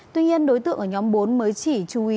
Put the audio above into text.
tuy nhiên đối tượng ở nhóm bốn mới chỉ chú ý